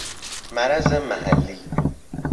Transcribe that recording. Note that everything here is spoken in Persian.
مرض محلی